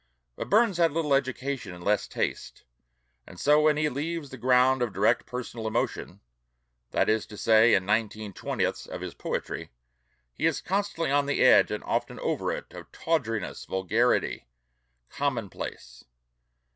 But Burns had little education and less taste; and so when he leaves the ground of direct personal emotion, that is to say, in nineteen twentieths of his poetry, he is constantly on the edge, and often over it, of tawdriness, vulgarity, commonplace.